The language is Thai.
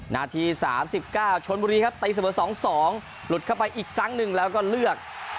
นาที๓๙ชนบุรีครับตีเสมอ๒๒หลุดเข้าไปอีกครั้งหนึ่งแล้วก็เลือก